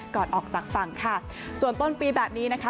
ก่อนออกจากฝั่งค่ะส่วนต้นปีแบบนี้นะคะ